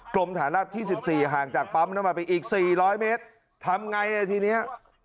กลมฐานรัฐที่สิบสี่ห่างจากปั๊มแล้วมาไปอีกสี่ร้อยเมตรทำไงในทีเนี้ย